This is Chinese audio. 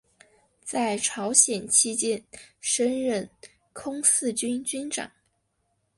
在朝鲜期间升任空四军军长。